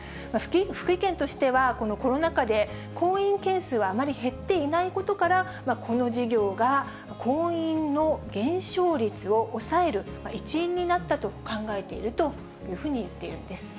福井県としては、コロナ禍で婚姻件数はあまり減っていないことから、この事業が、婚姻の減少率を抑える一因になったと考えているというふうに言っ